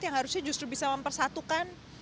yang harusnya justru bisa mempersatukan